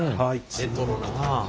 レトロなあ。